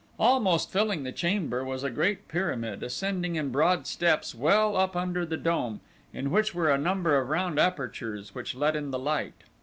Almost filling the chamber was a great pyramid ascending in broad steps well up under the dome in which were a number of round apertures which let in the light.